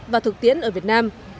và thực tiễn ở việt nam